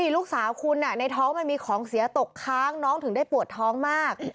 ลูกสาวคุณในท้องมันมีของเสียตกค้างน้องถึงได้ปวดท้องมาก